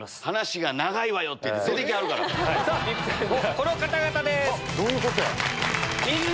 この方々です。